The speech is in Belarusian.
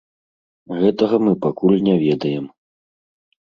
Гэтага мы пакуль не ведаем.